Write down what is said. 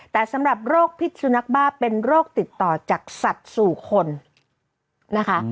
แต่สำหรับโรคพิษสุนัขบ้าเป็นโรคติดต่อจากสัตว์สู่คนนะคะ